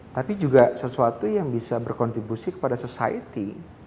tapi juga sesuatu yang bisa berkontribusi kepada society